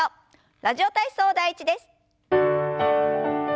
「ラジオ体操第１」です。